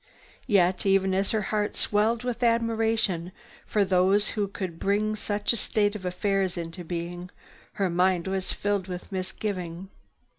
Yet, even as her heart swelled with admiration for those who could bring such a state of affairs into being, her mind was filled with misgiving.